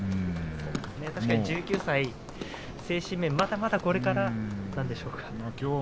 確かに１９歳、精神面まだまだこれからなんでしょうか。